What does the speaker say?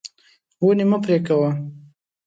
ونې مه پرې کړه.